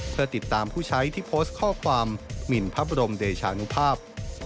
เพื่อติดตามผู้ใช้ที่โพสต์ข้อความหมินพระบรมเดชานุภาพ